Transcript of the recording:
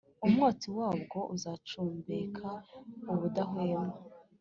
umwotsi wabwo uzacumbeka ubudahwema;